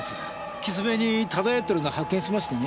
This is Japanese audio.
岸辺に漂ってるのを発見しましてね。